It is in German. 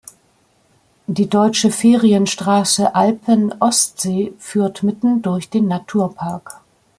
Die Deutsche Ferienstraße Alpen-Ostsee führt mitten durch den Naturpark.